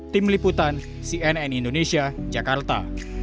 tim liputan cnn indonesia jakarta